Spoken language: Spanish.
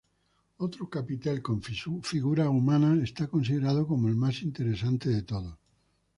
Otro capitel con figuras humanas es considerado como el más interesante de todos.